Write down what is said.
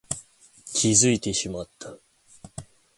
気づいてしまった